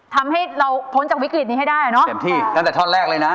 ทำให้เราพ้นจากวิกฤตนี้ให้ได้เหรอแสบที่ลำแต่ทอดแรกเลยนะ